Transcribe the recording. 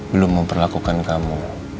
belum memperlakukan kamu